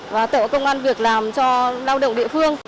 và tạo công an việc làm cho lao động địa phương